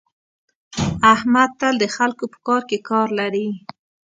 احمد تل د خلکو په کار کې کار لري.